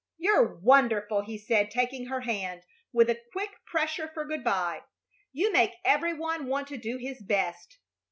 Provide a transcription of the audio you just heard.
"You're wonderful!" he said, taking her hand with a quick pressure for good by. "You make every one want to do his best."